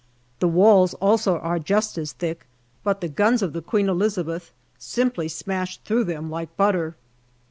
The walls also are just as thick, but the guns of the Queen Elizabeth simply smashed through them like butter.